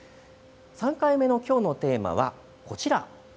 ３回目のきょうのテーマはこちら。